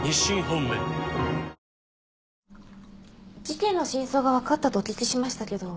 事件の真相が分かったとお聞きしましたけど。